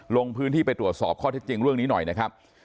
ลงพื้นที่ไปตรวจสอบข้อเท็จจริงเรื่องนี้หน่อยนะครับ